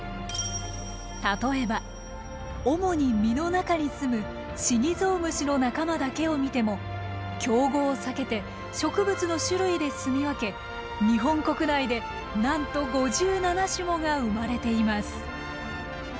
例えば主に実の中にすむシギゾウムシの仲間だけを見ても競合を避けて植物の種類ですみ分け日本国内でなんと５７種もが生まれています。